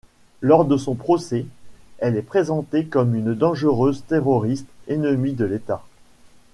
Lors de son procès, elle est présentée comme une dangereuse terroriste ennemie de l'État.